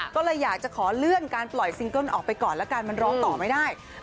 ก็เลยอยากจะขอเลื่อนการปล่อยซิงเกิ้ลออกไปก่อนแล้วกันมันร้องต่อไม่ได้